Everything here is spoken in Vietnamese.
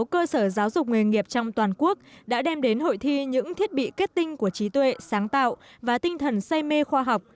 hai trăm một mươi sáu cơ sở giáo dục nguyên nghiệp trong toàn quốc đã đem đến hội thi những thiết bị kết tinh của trí tuệ sáng tạo và tinh thần say mê khoa học